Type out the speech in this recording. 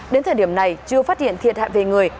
đến thời điểm này chưa phát hiện thiệt hại về người